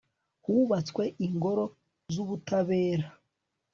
hubatswe ingoro z'ubutabera